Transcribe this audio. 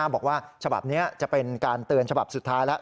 บอกว่าฉบับนี้จะเป็นการเตือนฉบับสุดท้ายแล้ว